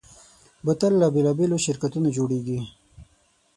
بوتل له بېلابېلو شرکتونو جوړېږي.